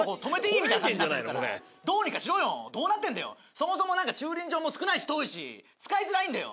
そもそも駐輪場も少ないし遠いし使いづらいんだよ。